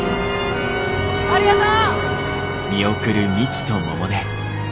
ありがとう！